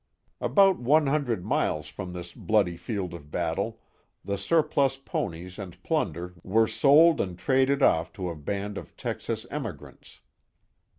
About one hundred miles from this bloody field of battle, the surplus ponies and plunder were sold and traded off to a band of Texas emigrants.